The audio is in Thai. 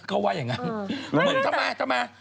เขาว่าอย่างนั้นมึงทำไมทำไม